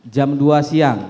jam dua siang